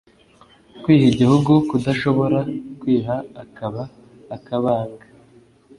kwiha igihugu: kudashobora kwiha akaba akabanga